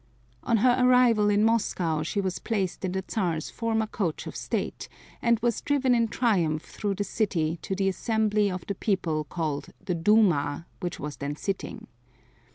On her arrival in Moscow she was placed in the Czar's former coach of state, and was driven in triumph through the city to the assembly of the people called the Douma, which was then sitting.